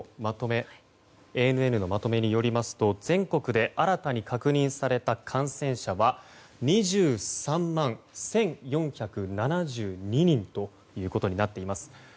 ＡＮＮのまとめによりますと全国で新たに確認された感染者は２３万１４７２人ということになっています。